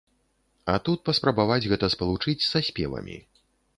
А тут паспрабаваць гэта спалучыць са спевамі.